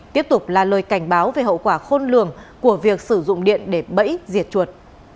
tiếp tục là lời cảnh báo về hậu quả khôn lường của việc sử dụng điện để bẫy diệt chuột